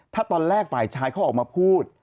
ถ้าตอนแรกฝ่ายชายเขาออกมาพูด